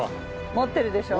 持ってるでしょ。